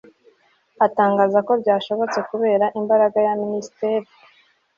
atangaza ko byashobotse kubera imbaraga yaminisiteri